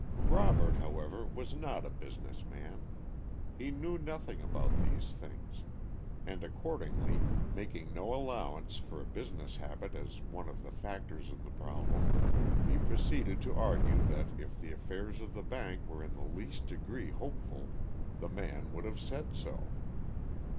Robert, however, was not a business man. He knew nothing about these things, and accordingly, making no allowance for a business habit as one of the factors in the problem, he proceeded to argue that if the affairs of the bank were in the least degree hopeful the man would have said so.